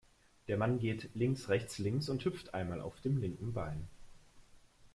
Der Mann geht links–rechts–links und hüpft einmal auf dem linken Bein.